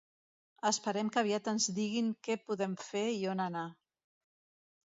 Esperem que aviat ens diguin què podem fer i on anar.